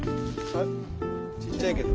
ちっちゃいけど。